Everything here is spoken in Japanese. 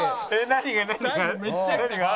何が？